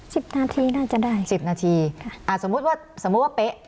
สิบนาทีน่าจะได้สิบนาทีค่ะอ่าสมมุติว่าสมมุติว่าเป๊ะ